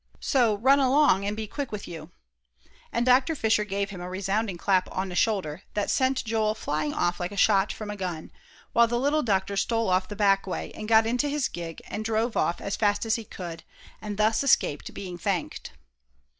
So run along, and be quick with you," and Dr. Fisher gave him a resounding clap on the shoulder, that sent Joe flying off like a shot from a gun, while the little doctor stole off the back way, and got into his gig, and drove off as fast as he could, and thus escaped being thanked.